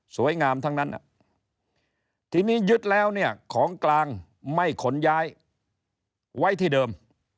สวยงามทั้งนั้นทีนี้ยึดแล้วของกลางไม่ขนย้ายไว้ที่เดิม